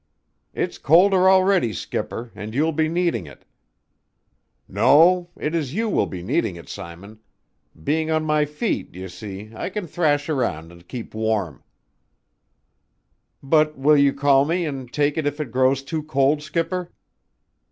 "It's colder already, skipper, and you will be needing it." "No, it is you will be needing it, Simon. Being on my feet, d'y' see, I can thrash around and keep warm." "But will you call me and take it if it grows too cold, skipper?"